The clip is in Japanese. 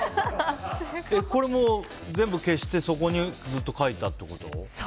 これも全部消してそこにずっと描いたってこと？